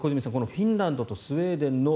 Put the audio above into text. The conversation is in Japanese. フィンランドとスウェーデンの